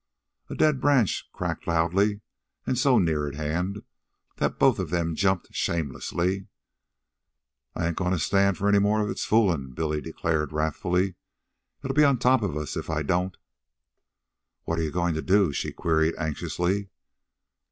A dead branch cracked loudly, and so near at hand, that both of them jumped shamelessly. "I ain't goin' to stand any more of its foolin'," Billy declared wrathfully. "It'll be on top of us if I don't." "What are you going to do?" she queried anxiously.